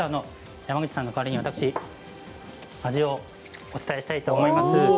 山口さんの代わりに私が味をお伝えしたいと思います。